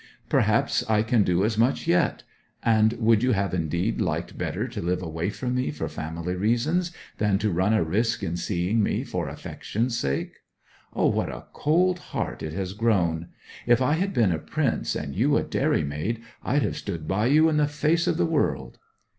'Perhaps I can do as much yet! And would you have indeed liked better to live away from me for family reasons, than to run a risk in seeing me for affection's sake? O what a cold heart it has grown! If I had been a prince, and you a dairymaid, I'd have stood by you in the face of the world!'